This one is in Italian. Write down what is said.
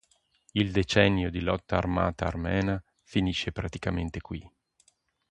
Il decennio di lotta armata armena finisce praticamente qui.